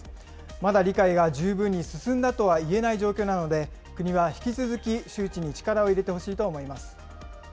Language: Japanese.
まだ理解が十分に進んだとはいえない状況なので、国は引き続き周知に力を入れてほしいと思います。